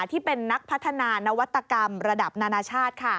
ที่เป็นนักพัฒนานวัตกรรมระดับนานาชาติ